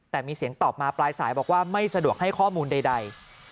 แต่มีเสียงตอบมาปลายสายบอกว่าไม่สะดวกให้ข้อมูลใด